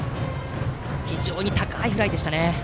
非常に高いフライでしたね。